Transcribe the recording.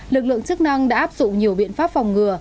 lực lượng chức năng đã áp dụng nhiều biện pháp phòng ngừa